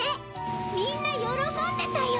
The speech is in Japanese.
みんなよろこんでたよ。